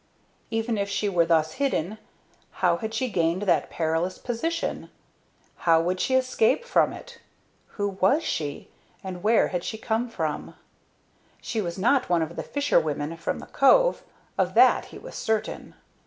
Even if she were thus hidden, how had she gained that perilous position? how would she escape from it? who was she? and where had she come from? She was not one of the fisher women from the cove; of that he was certain.